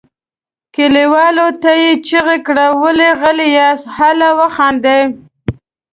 کليوالو ته یې چیغه کړه ولې غلي یاست هله وخاندئ.